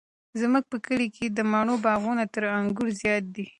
زموږ په کلي کې د مڼو باغونه تر انګورو زیات دي.